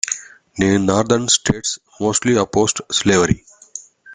The northern states mostly opposed slavery.